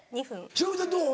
忍ちゃんどう？